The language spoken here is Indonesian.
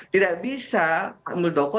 tidak bisa pak muldoko